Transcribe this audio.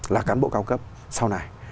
là cán bộ cao cấp sau này